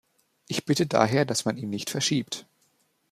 Ich bitte daher, dass man ihn nicht verschiebt.